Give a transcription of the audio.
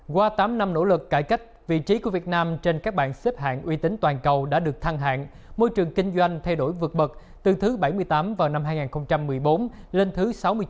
qua tám năm nỗ lực cải cách vị trí của việt nam trên các bản xếp hạng uy tín toàn cầu đã được thăng hạng môi trường kinh doanh thay đổi vượt bậc từ thứ bảy mươi tám vào năm hai nghìn một mươi bốn lên thứ sáu mươi chín